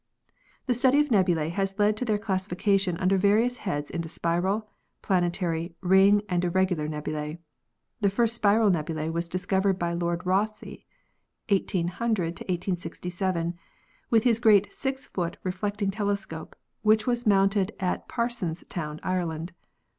The study of nebulae has led to their classification under various heads into spiral, planetary, ring and irregular nebulae. The first spiral nebulae was discovered by Lord Rosse (1800 1867) w i tn his great 6 foot reflecting tele scope, which was mounted at Parsonstown, Ireland.